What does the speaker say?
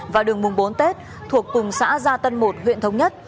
và đường mùng bốn tết thuộc cùng xã gia tân một huyện thống nhất